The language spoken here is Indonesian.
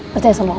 percaya sama allah